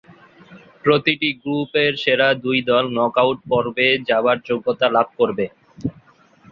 প্রতিটি গ্রুপের সেরা দুই দল নকআউট পর্বে যাবার যোগ্যতা লাভ করবে।